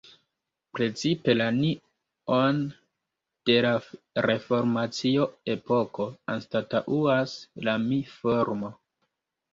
Precipe la "ni"-on de la reformacio-epoko anstataŭas la "mi"-formo.